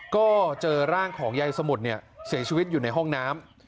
ก็เจอร่างของยายสมุทรเสียชีวิตอยู่ในห้องน้ำ